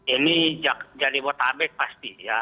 ini jadi botabek pasti ya